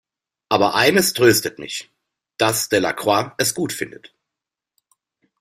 Aber eines tröstet mich: daß Delacroix es gut findet.